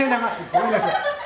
ごめんなさい。